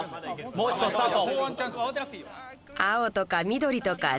もう一度スタート。